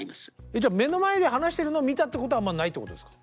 じゃあ目の前で話してるのを見たってことはあんまないってことですか？